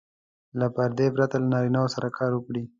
له پردې پرته له نارینه وو سره کار وکړي.